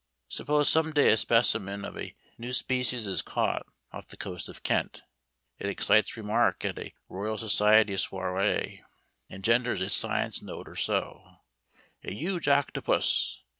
Suppose some day a specimen of a new species is caught off the coast of Kent. It excites remark at a Royal Society soirée, engenders a Science Note or so, "A Huge Octopus!"